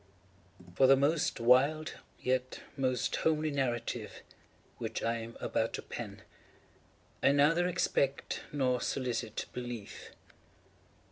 For the most wild, yet most homely narrative which I am about to pen, I neither expect nor solicit belief.